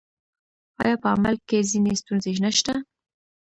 آیا په عمل کې ځینې ستونزې نشته؟